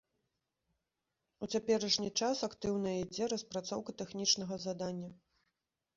У цяперашні час актыўна ідзе распрацоўка тэхнічнага задання.